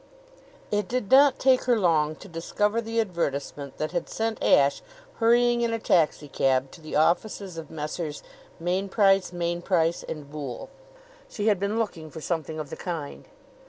It did not take her long to discover the advertisement that had sent Ashe hurrying in a taxicab to the offices of Messrs. Mainprice, Mainprice & Boole. She had been looking for something of the kind.